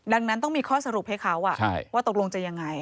ดังนั้นต้องมีข้อสรุปให้เขาว่าตกลงจะยังไง